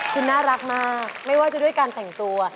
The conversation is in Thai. คือน่ารักมากไม่ว่าจะด้วยการแต่งตัว